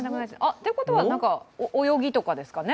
ということは、泳ぎとかですかね？